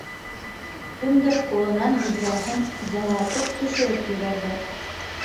Кемдер ҡулынан биҙрәһен зыңлатып төшөрөп ебәрҙе